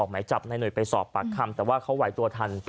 ให้หน่วยไปสอบปากคำแต่ว่าเขาไหวตัวทัน